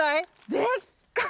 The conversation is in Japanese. でっかい。